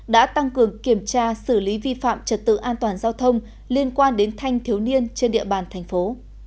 đã tăng cường kiểm tra xử lý vi phạm trật tự an toàn giao thông liên quan đến thanh thiếu niên trên địa bàn thành phố